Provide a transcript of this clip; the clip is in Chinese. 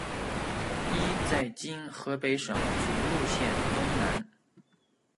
一在今河北省涿鹿县东南。